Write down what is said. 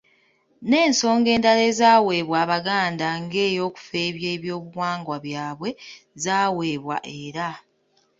N’ensonga endala ezaweebwa Abaganda ng’eyokufeebya ebyobuwangwa byabwe zaaweebwa era